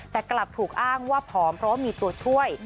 แต่กลับถูกอ้างว่าผอมเพราะว่ามีตัวช่วย